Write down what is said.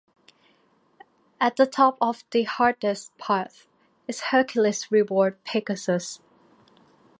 At the top of the hardest path is Hercules reward, Pegasus.